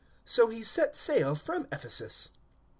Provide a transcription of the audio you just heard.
So he set sail from Ephesus.